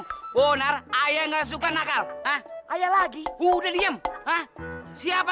ngingkat biasa dirimu kan